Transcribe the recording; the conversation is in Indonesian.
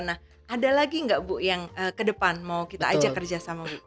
ada lagi nggak bu yang ke depan mau kita ajak kerja sama bu